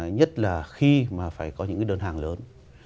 nhất là khi mà phải có những cái đơn hàng lớn